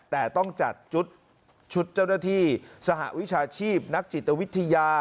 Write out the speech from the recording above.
แต่ต้องจัดชุดเจ้าหน้าที่สหวิชาชีพนักจิตวิทยา